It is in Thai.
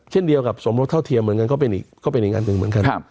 เช่นเดียวกับสมรสเท่าเทียมเหมือนกันก็เป็นอีกอันหนึ่งเหมือนกัน